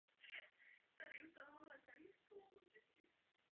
Cesta není přístupná veřejné dopravě.